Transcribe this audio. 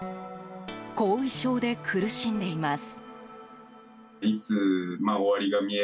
後遺症で苦しんでいます。